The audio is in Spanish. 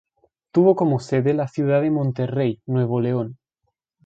Tuvo como sede la ciudad de Monterrey, Nuevo León.